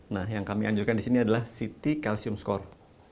nah yang kami anjurkan di sini adalah city calcium score